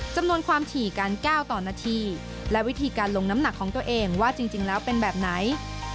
จำนวนความถี่การก้าวต่อนาทีและวิธีการลงน้ำหนักของตัวเองว่าจริงแล้วเป็นแบบไหน